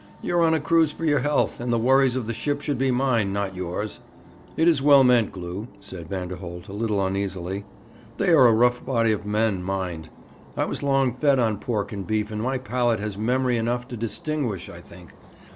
You're on a cruise for your health, and the worries of the ship should be mine, not yours.' 'It is well meant, Glew,' said Vanderholt, a little uneasily. 'They are a rough body of men, mind. I was long fed on pork and beef, and my palate has memory enough to distinguish, I think.